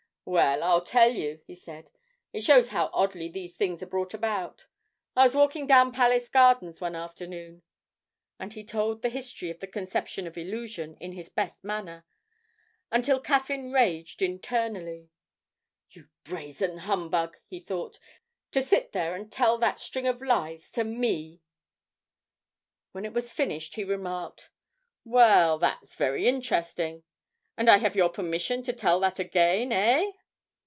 'Well, I'll tell you,' he said. 'It shows how oddly these things are brought about. I was walking down Palace Gardens one afternoon....' and he told the history of the conception of 'Illusion' in his best manner, until Caffyn raged internally. 'You brazen humbug!' he thought; 'to sit there and tell that string of lies to me!' When it was finished he remarked, 'Well, that's very interesting; and I have your permission to tell that again, eh?'